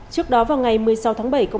trước đó vào ngày một mươi sáu tháng bảy